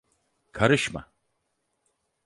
Karışma!